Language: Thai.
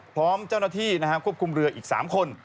พร้อมเจ้าหน้าที่ควบคุมเรืออีก๓คน